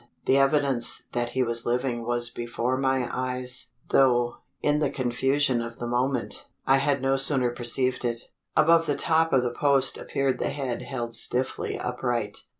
The evidence that he was living was before my eyes; though, in the confusion of the moment, I had no sooner perceived it. Above the top of the post appeared the head held stiffly upright.